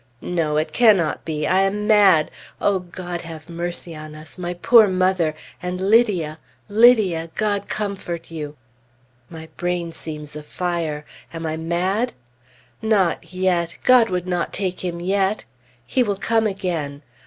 No! it cannot be! I am mad! O God, have mercy on us! My poor mother! And Lydia! Lydia! God comfort you! My brain seems afire. Am I mad? Not yet! God would not take him yet! He will come again!